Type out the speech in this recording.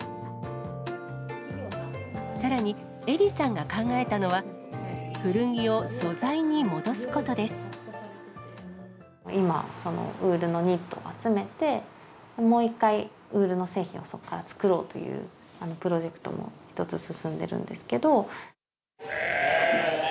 さらに、エリさんが考えたのは、今、ウールのニットを集めて、もう一回、ウールの製品をそこから作ろうというプロジェクトも一つ、進んでるんですけど。